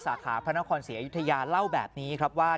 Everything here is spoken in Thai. สาขาพระนครศรีอยุธยาเล่าแบบนี้ครับว่า